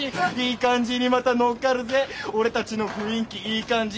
「いい感じにまたのっかるぜ俺たちの雰囲気いい感じ」